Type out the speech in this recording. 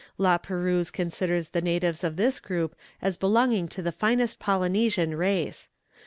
La Perouse considers the natives of this group as belonging to the finest Polynesian race.